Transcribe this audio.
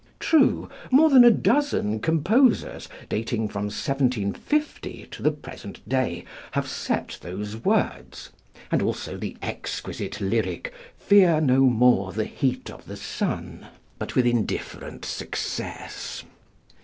True, more than a dozen composers, dating from 1750 to the present day, have set those words, and also the exquisite lyric "Fear no more the heat of the sun," but with indifferent success.